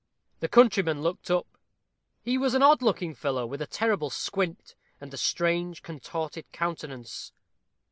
The countryman looked up. He was an odd looking fellow, with a terrible squint, and a strange, contorted countenance.